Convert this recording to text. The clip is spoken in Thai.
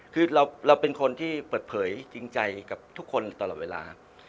คือเราเป็นคนที่เปิดเผยจริงใจกับทุกคนตลอดเวลา